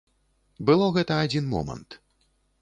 Было гэта адзін момант.